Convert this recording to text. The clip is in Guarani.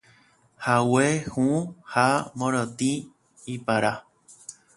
Hague hũ ha morotĩ, ipara.